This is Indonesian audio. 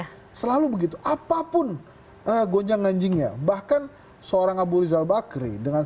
posisi dua besar selalu begitu apapun gonjang nganjingnya bahkan seorang abu rizal bakri dengan